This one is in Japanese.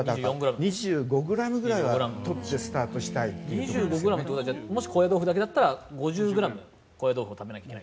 ２５ｇということはもし高野豆腐だけだったら５０ｇの高野豆腐を食べないといけない。